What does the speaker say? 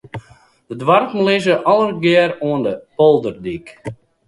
Dy doarpen lizze allegear oan de polderdyk.